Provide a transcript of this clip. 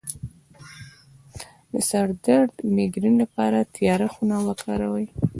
د سر درد د میګرین لپاره تیاره خونه وکاروئ